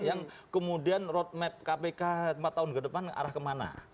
yang kemudian roadmap kpk empat tahun ke depan arah kemana